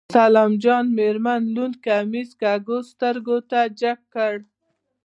د سلام جان مېرمن لوند کميس کږو سترګو ته جګ کړ.